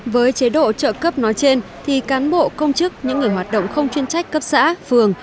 với chế độ trợ cấp nói trên thì cán bộ công chức những người hoạt động không chuyên trách cấp xã phường